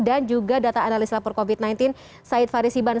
dan juga data analis lapor covid sembilan belas said faris iban